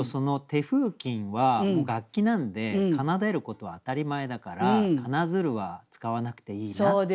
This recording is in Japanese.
「手風琴」は楽器なんで奏でることは当たり前だから「奏づる」は使わなくていいなって感じます。